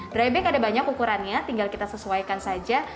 dry back ada banyak ukurannya tinggal kita sesuaikan saja